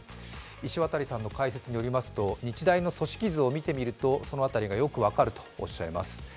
石渡さんの解説によりますと日大の組織図を見てみるとその辺りがよく分かるとおっしゃいます。